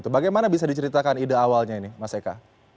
bagaimana bisa diceritakan ide awalnya ini mas eka